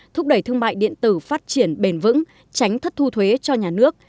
thúc đẩy thương mại điện tử phát triển bền vững tránh thất thu thuế cho nhà nước